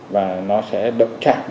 và nó sẽ động trạng